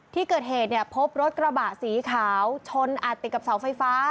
ที่เกิดเหตุเนี่ยพบรถกระบะสีขาวชนอัดติดกับเสาไฟฟ้า